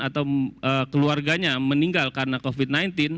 atau keluarganya meninggal karena covid sembilan belas